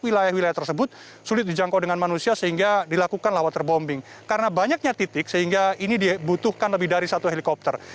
wilayah wilayah tersebut sulit dijangkau dengan manusia sehingga dilakukanlah waterbombing karena banyaknya titik sehingga ini dibutuhkan lebih dari satu helikopter